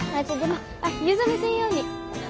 湯冷めせんように。